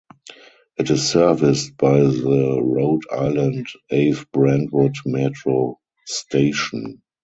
It is serviced by the Rhode Island Ave-Brentwood Metro station.